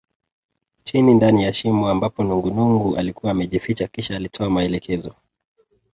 Chini ndani ya shimo ambapo nungunungu alikuwa amejificha kisha alitoa maelekezo